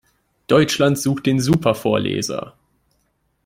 Deutschland sucht den Supervorleser!